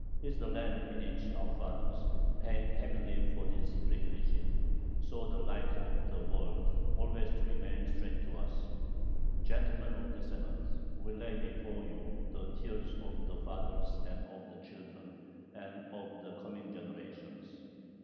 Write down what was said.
Is the land in which our fathers, paying heavily for this privilege, saw the light of the world, always to remain strange to us? Gentlemen of the Senate, we lay before you the tears of the fathers and of the children and of the coming generations.